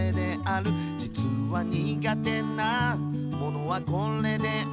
「じつは苦手なものはこれである」